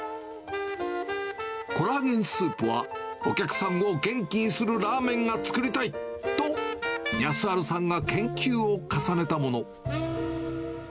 コラーゲンスープは、お客さんを元気にするラーメンが作りたいと、康晴さんが研究を重ねたもの。